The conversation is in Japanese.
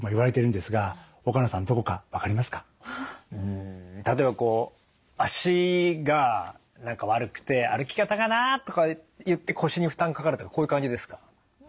ん例えば足が悪くて歩き方がなとかいって腰に負担かかるとかこういう感じですか？